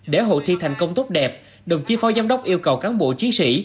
để hội thi thành công tốt đẹp đồng chí phó giám đốc yêu cầu cán bộ chiến sĩ